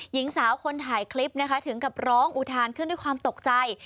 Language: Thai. หญิงสาวคนถ่ายคลิปนะคะถึงกับร้องอุทานขึ้นด้วยความตกใจ